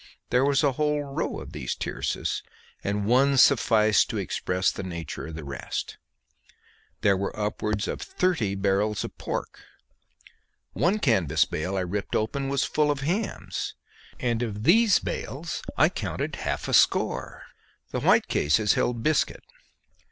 There was a whole row of these tierces, and one sufficed to express the nature of the rest; there were upwards of thirty barrels of pork; one canvas bale I ripped open was full of hams, and of these bales I counted half a score. The white cases held biscuit.